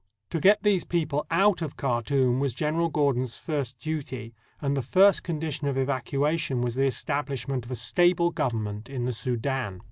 To get these people out of Khartoum was General Gordon's first duty, and the first condition of evacuation was the establishment of a stable government in the Soudan.